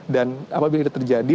dan apabila itu terjadi